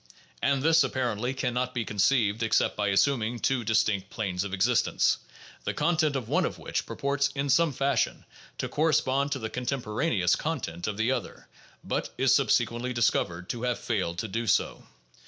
And this apparently can not be conceived except by assuming two distinct planes of existence, the content of one of which purports in some fashion to correspond to the contem poraneous content of the other, but is subsequently discovered to have failed to do so.